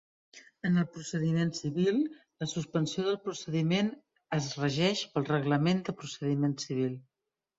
En el procediment civil, la suspensió del procediment es regeix pel Reglament de procediment civil.